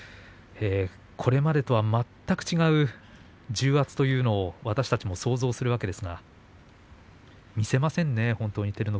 これまでとは全く違う重圧というのを私たちも想像するわけですが見せませんね